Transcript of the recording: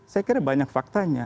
saya kira banyak faktanya